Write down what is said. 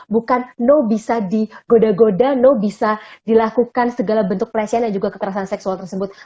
bukan no bisa digoda goda no bisa dilakukan segala bentuk pelecehan dan juga kekerasan seksual tersebut